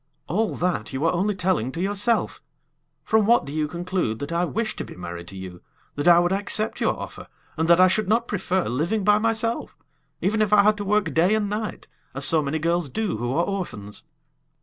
"All that you are only telling to yourself! From what do you conclude that I wish to be married to you; that I would accept your offer, and that I should not prefer living by myself, even if I had to work day and night, as so many girls do who are orphans?"